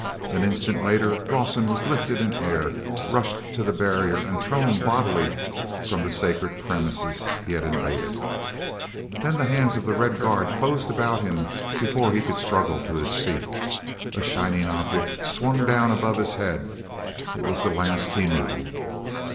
An instant later Rawson was lifted in air, rushed to the barrier and thrown bodily from the sacred premises he had invaded. Then the hands of the red guard closed about him before he could struggle to his feet. A shining object swung down above his head. It was the last he knew.